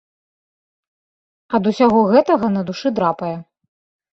Ад усяго гэтага на душы драпае.